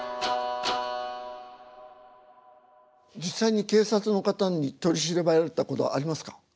実際に警察の方に取り調べられたことありますか？